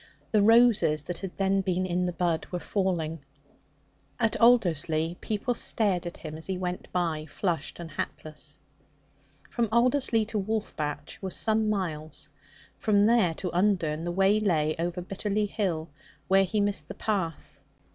The roses that had then been in the bud were falling. At Alderslea people stared at him as he went by, flushed and hatless. From Alderslea to Wolf batch was some miles; from there to Undern the way lay over Bitterly Hill, where he missed the path.